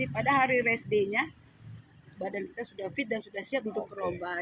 pada hari race day nya badan kita sudah fit dan sudah siap untuk berubah